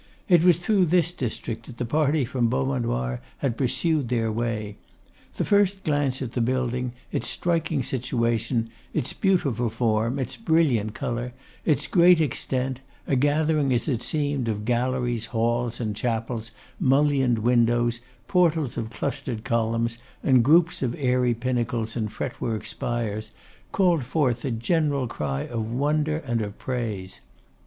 It was through this district that the party from Beaumanoir had pursued their way. The first glance at the building, its striking situation, its beautiful form, its brilliant colour, its great extent, a gathering as it seemed of galleries, halls, and chapels, mullioned windows, portals of clustered columns, and groups of airy pinnacles and fretwork spires, called forth a general cry of wonder and of praise.